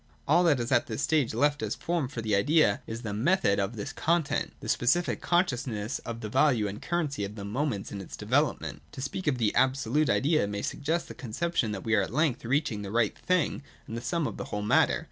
All that is at this stage left as form for the idea is the Method of this content, the specific consciousness of the value and currency of the ' moments ' in its development. To speak of the absolute idea may suggest the conception that we are at length reaching the right thing and the sum of the whole matter.